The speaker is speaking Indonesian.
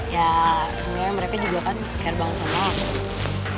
ya sebenernya mereka juga kan care banget sama aku